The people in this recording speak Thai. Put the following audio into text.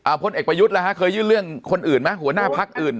อ้าวคนเอกประยุทธ์แล้วครับเคยยื่นเรื่องคนอื่นมั้ยหัวหน้าพักอื่น